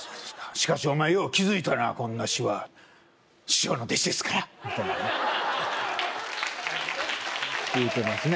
「しかしお前よう気付いたなこんなシワ」「師匠の弟子ですから」みたいなね言うてますね